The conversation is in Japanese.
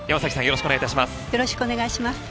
よろしくお願いします。